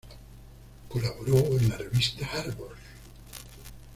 Colaboró en la revista Arbor.